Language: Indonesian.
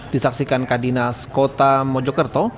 disaksikan kadinas kota mojokerto